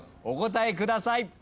お答えください。